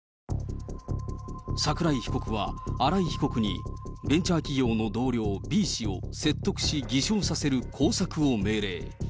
桜井被告は新井被告に、ベンチャー企業の同僚、Ｂ氏を説得し、偽証させる工作を命令。